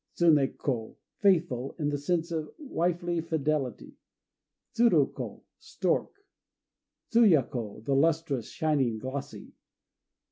Tsuné ko "Faithful," in the sense of wifely fidelity. Tsuru ko "Stork." Tsuya ko "The Lustrous," shining, glossy.